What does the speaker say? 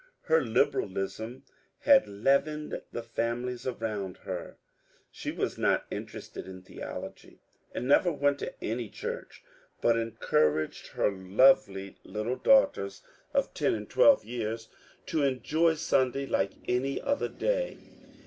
Her liberalism had leavened the families around her. She was not interested in theology, and never went to any church, but encouraged her lovely little daughters (of ten and twelve years) to enjoy Sunday like any other day.